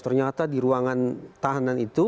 ternyata di ruangan tahanan itu